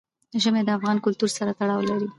ژمی د افغان کلتور سره تړاو لري.